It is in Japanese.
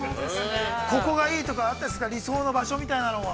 ここがいいとか、あったりするんですか、理想な場所みたいなのは。